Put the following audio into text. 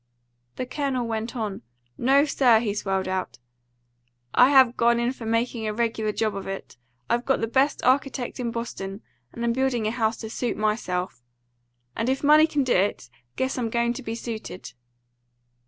The Colonel went on. "No, sir," he swelled out, "I have gone in for making a regular job of it. I've got the best architect in Boston, and I'm building a house to suit myself. And if money can do it, guess I'm going to be suited."